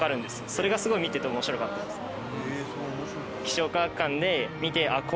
それがすごい見てて面白かったですね。